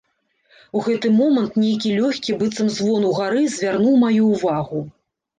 У гэты момант нейкі лёгкі быццам звон угары звярнуў маю ўвагу.